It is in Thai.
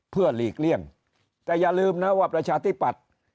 เพื่อหลีกเลี่ยงแต่อย่าลืมนะว่าประชาธิปัตย์